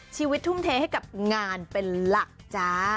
ทุ่มเทให้กับงานเป็นหลักจ้า